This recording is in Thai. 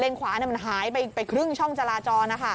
เลนความันหายไปครึ่งช่องจราจรนะคะ